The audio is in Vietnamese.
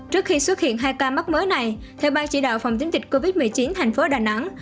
trước khi xuất hiện hai ca mắc mới này theo ban chỉ đạo phòng dịch covid một mươi chín thành phố đà nẵng